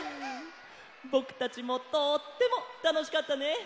ぼくたちもとってもたのしかったね！